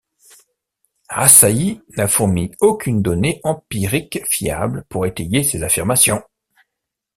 Assailly n'a fourni aucune donnée empirique fiable pour étayer ses affirmations.